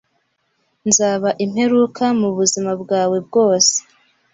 Nzaba imperuka mubuzima bwawe bwose